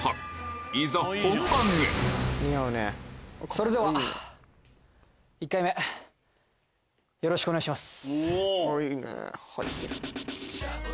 それでは１回目よろしくお願いします。